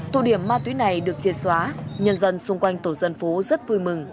tụ điểm ma túy này được triệt xóa nhân dân xung quanh tổ dân phố rất vui mừng